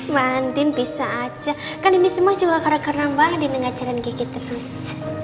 mbak andin bisa aja kan ini semua juga gara gara mbak andin ngajarin kiki terus